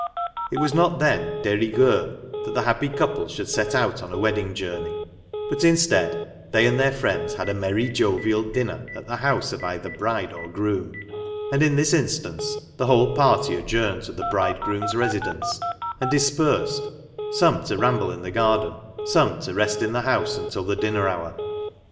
It was not then de rigueur that the happy couple should set out on a wedding journey ; but instead, they and their friends had a merry jovial dinner at the house of either bride or groom ; and in this instance the whole party adjourned to the bridegroom's residence, and dispersed, some to ramble in the garden, some to rest in the house until the dinner hour.